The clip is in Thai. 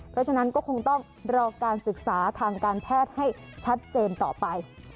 เพราะฉะนั้นก็คงต้องรอการศึกษาทางการแพทย์ให้ชัดเจนต่อไป